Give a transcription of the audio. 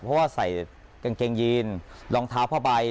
เพราะว่าใส่กางเกงยีนรองเท้าผ้าใบ